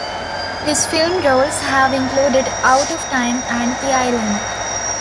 His film roles have included "Out of Time" and "The Island".